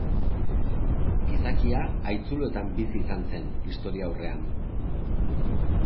Gizakia haitzuloetan bizi izan zen, Historiaurrean.